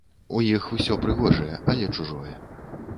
У іх усё прыгожае, але чужое.